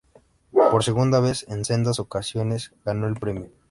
Por segunda vez en sendas ocasiones, ganó el premio.